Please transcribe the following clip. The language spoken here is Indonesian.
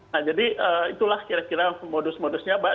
nah jadi itulah kira kira modus modusnya mbak